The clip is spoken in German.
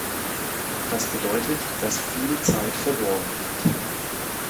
Das bedeutet, dass viel Zeit verloren geht.